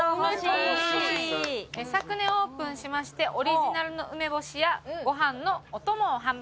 昨年オープンしましてオリジナルの梅干しやご飯のお供を販売。